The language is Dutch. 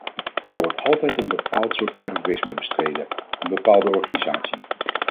Er wordt altijd een bepaald soort terrorisme bestreden, een bepaalde organisatie.